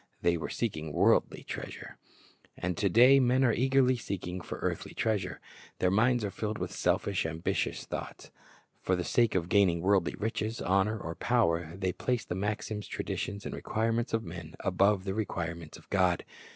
They were seeking worldly treasure. And to day men are eagerly seeking for earthly treasure. Their minds are filled with selfish, ambitious thoughts. For the sake of gaining worldly riches, honor, or power, they place the maxims, traditions, and requirements of men above the requirements of God.